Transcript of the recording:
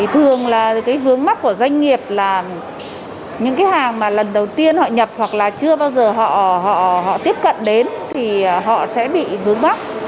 thường là cái vướng mắt của doanh nghiệp là những cái hàng mà lần đầu tiên họ nhập hoặc là chưa bao giờ họ tiếp cận đến thì họ sẽ bị vướng mắt